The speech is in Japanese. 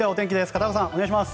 片岡さん、お願いします。